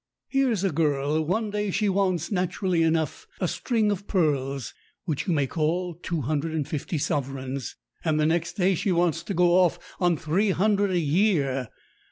Here's a girl; one day she wants, naturally enough, a string of pearls, which you may call two hundred and fifty sovereigns, and the next day she wants to go off on three hundred a year.